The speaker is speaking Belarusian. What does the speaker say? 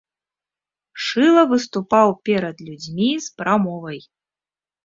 Шыла выступаў перад людзьмі з прамовай.